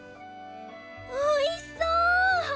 おいしそう！